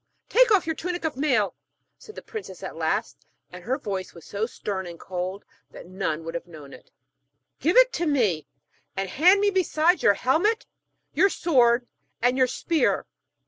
'Take off your tunic of mail,' said the princess at last; and her voice was so stern and cold that none would have known it. 'Give it to me, and hand me besides your helmet, your sword and your spear.'